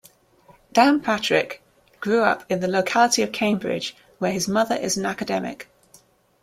Downpatrick grew up in the locality of Cambridge, where his mother is an academic.